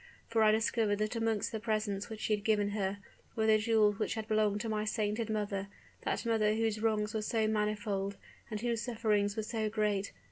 For I discovered that amongst the presents which he had given her, were the jewels which had belonged to my sainted mother that mother whose wrongs were so manifold, and whose sufferings were so great.